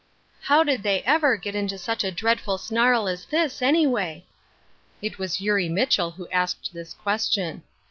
OW did they ever get into such a diead ^j^^i^ fui snarl as this, anyway ? It was Eurie Mitchel who asked this question.